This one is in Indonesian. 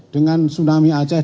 dengan tsunami aceh